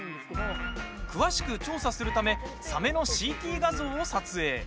詳しく調査するためサメのＣＴ画像を撮影。